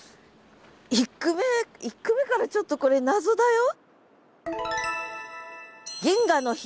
１句目１句目からちょっとこれ謎だよ。